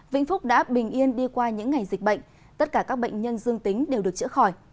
vĩnh phúc đã bình yên đi qua những ngày dịch bệnh tất cả các bệnh nhân dương tính đều được chữa khỏi